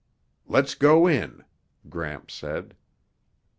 "Let's go in," Gramps said.